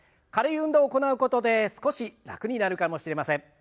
軽い運動を行うことで少し楽になるかもしれません。